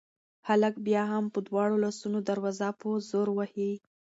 هلک بیا هم په دواړو لاسونو دروازه په زور وهي.